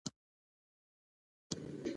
له حده ډیرې هیلې مه لره.